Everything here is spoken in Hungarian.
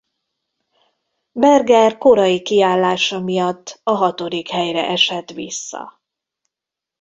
Berger korai kiállása miatt a hatodik helyre esett vissza.